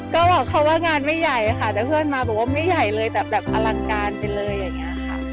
ก็บอกเขาว่างานไม่ใหญ่ค่ะแต่เพื่อนมาบอกว่าไม่ใหญ่เลยแต่แบบอลังการไปเลยอย่างนี้ค่ะ